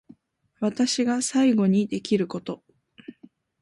私が最後にできること